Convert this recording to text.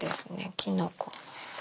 きのこ。